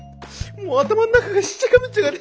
もう頭ん中がしっちゃかめっちゃかで。